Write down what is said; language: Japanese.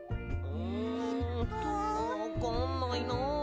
うんわかんないな。